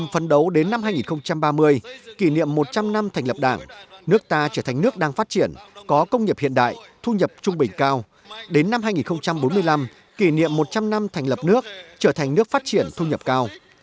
và một trăm linh năm thành lập nước trở thành nước phát triển thu nhập cao